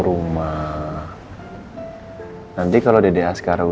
rena kangennya sekarang